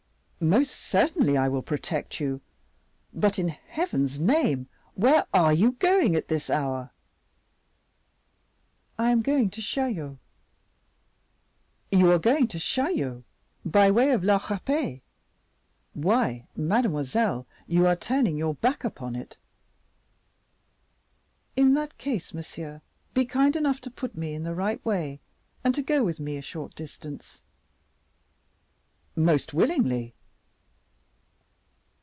"Most certainly I will protect you; but, in Heaven's name, where are you going at this hour?" "I am going to Chaillot." "You are going to Chaillot by way of La Rapee! why, mademoiselle, you are turning your back upon it." "In that case, monsieur, be kind enough to put me in the right way, and to go with me a short distance." "Most willingly."